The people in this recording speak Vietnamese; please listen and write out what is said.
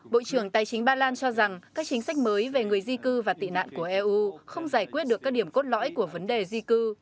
bộ trưởng tài chính ba lan cho rằng các chính sách mới về người di cư và tị nạn của eu không giải quyết được các điểm cốt lõi của vấn đề di cư